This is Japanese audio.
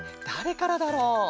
だれからだろう？